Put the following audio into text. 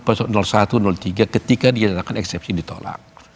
perusahaan satu tiga ketika dia menetapkan eksepsi ditolak